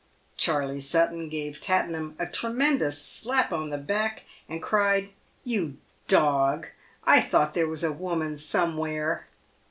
Charley Sutton gave Tattenham a tremendous slap on the back, and cried, "You dog! I thought there was a woman somewhere!"